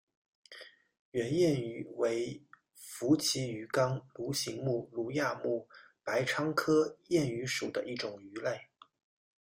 圆燕鱼为辐鳍鱼纲鲈形目鲈亚目白鲳科燕鱼属的一种鱼类。